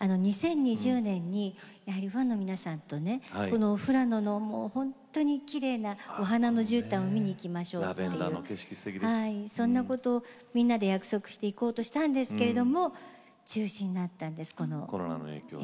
２０２０年にファンの皆さんと富良野の本当にきれいなお花のじゅうたんを見に行きましょうとそんなことをみんなで約束していたんですけれども中止になったんです。